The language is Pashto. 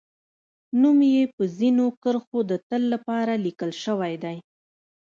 نوم یې په زرینو کرښو د تل لپاره لیکل شوی دی